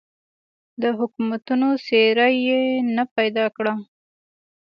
د حکومتونو څېره یې نه پیدا کړه.